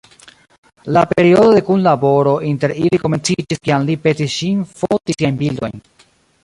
La periodo de kunlaboro inter ili komenciĝis kiam li petis ŝin foti siajn bildojn.